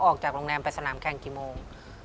ออกจากโรงแรมไปสนามแข่งกี่โมง